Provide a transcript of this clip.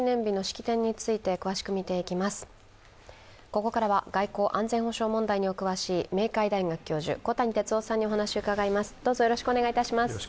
ここからは外交・安全保障問題にお詳しい、明海大学教授、小谷哲男さんにお話を伺います。